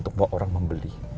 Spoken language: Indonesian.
kok orang membeli